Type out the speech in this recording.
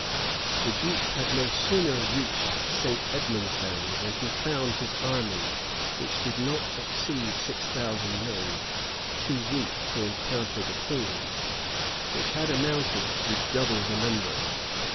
[] The duke had no sooner reached St. Edmondsbury, than he found his army, which did not exceed six thousand men, too weak to encounter the queen's,[] which amounted to double the number.